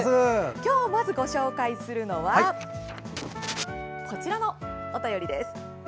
今日まずご紹介するのはこちらのお便りです。